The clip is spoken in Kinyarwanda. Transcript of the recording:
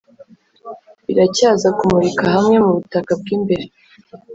biracyaza kumurika hamwe nubutaka bwimbere